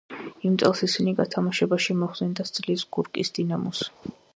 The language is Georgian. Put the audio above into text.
იმ წელს ისინი გათამაშებაში მოხვდნენ და სძლიეს გორკის „დინამოს“.